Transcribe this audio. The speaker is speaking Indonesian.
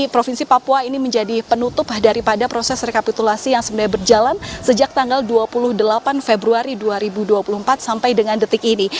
provinsi papua ini menjadi penutup daripada proses rekapitulasi yang sebenarnya berjalan sejak tanggal dua puluh delapan februari dua ribu dua puluh empat sampai dengan detik ini